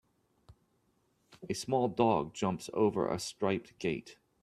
A small dog jumps over a striped gate.